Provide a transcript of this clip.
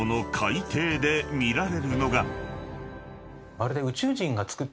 まるで。